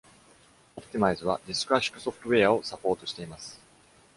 オプティマイズはディスク圧縮ソフトウェアをサポートしています。